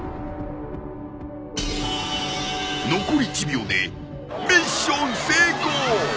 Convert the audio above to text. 残り１秒でミッション成功！